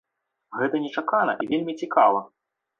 Гэта нечакана і вельмі цікава.